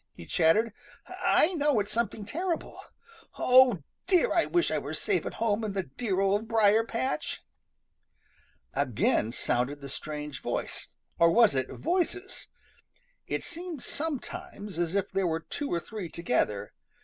he chattered. "I know it's something terrible. Oh, dear! I wish I were safe at home in the dear Old Briar patch." Again sounded the strange voice, or was it voices? It seemed sometimes as if there were two or three together.